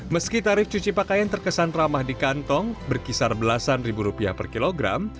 meski tarif cuci pakaian terkesan ramah di kantong berkisar belasan ribu rupiah per kilogram